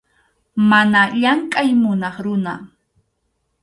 Mana llamkʼay munaq runa.